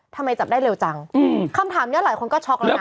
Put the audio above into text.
ทำไมจับได้เร็วจังคำถามนี้หลายคนก็ช็อกแล้วนะ